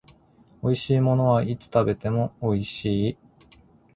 美味しいものはいつ食べても美味しい